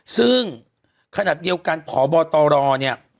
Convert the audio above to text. ซึ่งขณะเดียวกันพบตรเนี่ย